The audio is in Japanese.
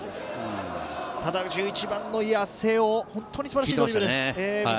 ただ１１番の八瀬尾、本当に素晴らしいドリブル。